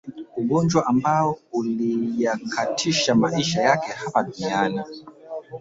Ugonjwa ambao uliyakatisha maisha yake hapa duniani